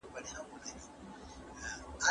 د ښوونځیو انټرنیټ کارول د روزنې معیارونه لوړوي.